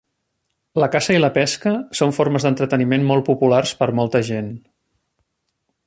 La caça i la pesca son formes d"entreteniment molt populars per a molta gent.